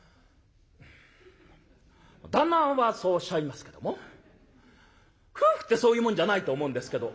「旦那はそうおっしゃいますけども夫婦ってそういうもんじゃないと思うんですけど」。